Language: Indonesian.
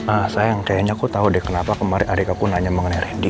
ah sayang kayaknya aku tau deh kenapa kemarin adik aku nanya mengenai randy